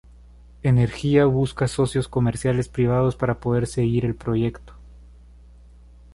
Energía busca socios comerciales privados para poder seguir el proyecto.